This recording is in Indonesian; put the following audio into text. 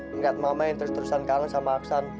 ngelihat mama yang terus terusan kalah sama aksan